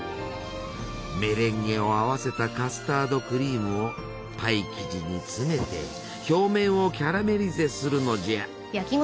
メレンゲを合わせたカスタードクリームをパイ生地に詰めて表面をキャラメリゼするのじゃ。